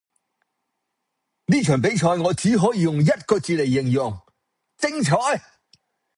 呢場比賽我只可以用一個字黎形容,精采